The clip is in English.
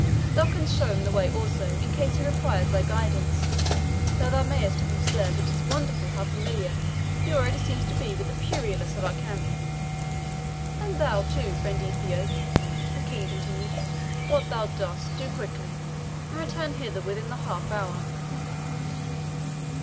Thou canst show him the way also, in case he requires thy guidance, though thou mayst have observed it is wonderful how familiar he already seems to be with the purlieus of our camp. And thou, too, friend Ethiop," the King continued, "what thou dost do quickly, and return hither within the half hour."